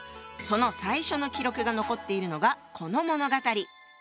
その最初の記録が残っているのがこの物語。